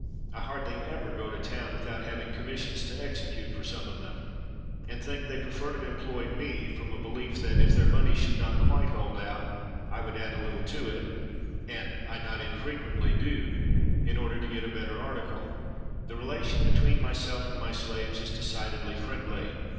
I hardly ever go to town without having commissions to execute for some of them; and think they prefer to employ me, from a belief that, if their money should not quite hold out, I would add a little to it; and I not unfrequently do, in order to get a better article. The relation between myself and my slaves is decidedly friendly.